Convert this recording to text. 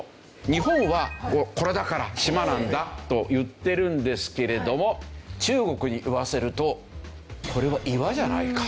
日本はこれだから島なんだと言ってるんですけれども中国に言わせるとこれは岩じゃないか。